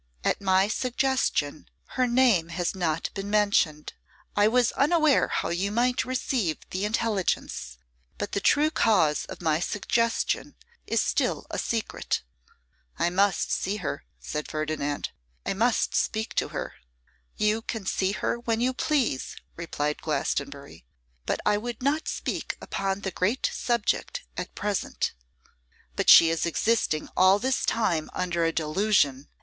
'At my suggestion, her name has not been mentioned. I was unaware how you might receive the intelligence; but the true cause of my suggestion is still a secret.' 'I must see her,' said Ferdinand, 'I must speak to her.' 'You can see her when you please,' replied Glastonbury; 'but I would not speak upon the great subject at present.' 'But she is existing all this time under a delusion.